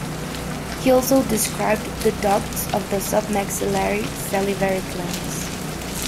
He also described the ducts of the submaxillary salivary glands.